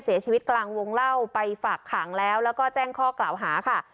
เสียชีวิตกลางวงเล่าไปฝากขังแล้วแล้วก็แจ้งข้อกล่าวหาค่ะ